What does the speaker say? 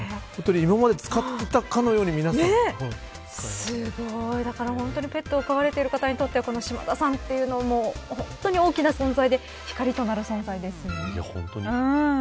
今まで使っていたかのように皆さんペットを飼われている方にとっては島田さんは大きな存在で光となる存在ですね。